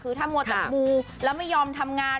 คือถ้ามัวแต่มูแล้วไม่ยอมทำงาน